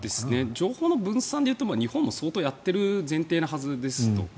情報の分散でいうと日本も、相当やっている前提のはずですと。